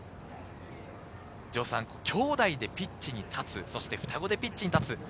兄弟でピッチに立つ、そして双子でピッチに立つ。